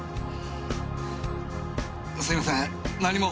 すいません何も。